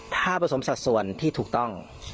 ถ้าผสมสัดส่วนที่ถูกต้อง